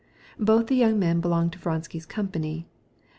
Both the young men were in Vronsky's company.